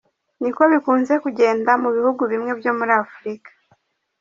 Niko bikunze kugenda mu bihugu bimwe byo muri Afurika.